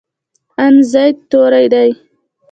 ان زاید توري دي.